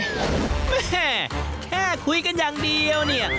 แม่แค่คุยกันอย่างเดียวเนี่ย